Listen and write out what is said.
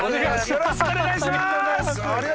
よろしくお願いします！